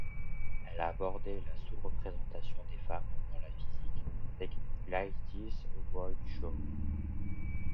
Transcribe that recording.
Elle a abordé la sous-représentation des femmes dans la physique avec l'Ideas Roadshow.